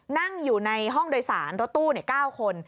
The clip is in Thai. นั่งอยู่ในห้องโดยสารรถตู้๙คน